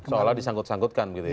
seolah disangkut sangkutkan gitu ya